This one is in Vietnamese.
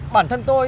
bản thân tôi